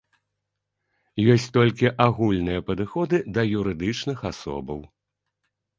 Ёсць толькі агульныя падыходы да юрыдычных асобаў.